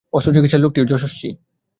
অস্ত্রচিকিৎসায় লোকটি যশস্বী।